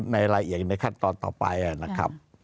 ในรายละเอียดในขั้นตอนต่อไปนะครับ